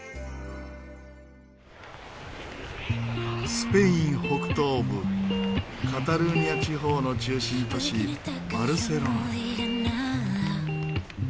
スペイン北東部カタルーニャ地方の中心都市バルセロナ。